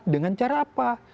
dengan cara apa